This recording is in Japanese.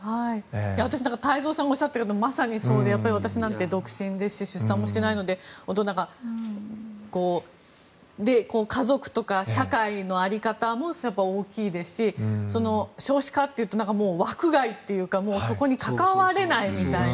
私、太蔵さんがおっしゃったようにまさにそうで私なんて独身ですし出産もしていないので家族とか社会の在り方も大きいですし少子化というと枠外というかそこに関われないみたいな。